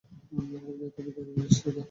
খুব দ্রুতই বিদায় নিলে, সিটকা।